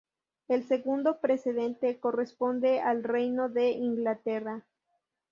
El segundo precedente corresponde al Reino de Inglaterra.